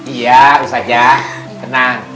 iya ustadzah tenang